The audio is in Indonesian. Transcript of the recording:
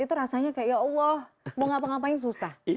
itu rasanya kayak ya allah mau ngapa ngapain susah